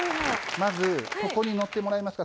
まず、ここに乗ってもらえますか？